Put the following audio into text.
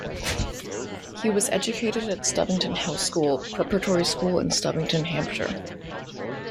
He was educated at Stubbington House School, preparatory school in Stubbington, Hampshire.